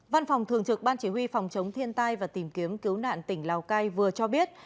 văn phòng thường trực ban chỉ huy phòng chống thiên tai và tìm kiếm cứu nạn tỉnh lào cai vừa cho biết